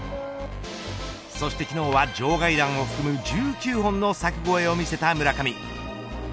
そして昨日は場外弾を含む１９本の柵越えを見せた村上。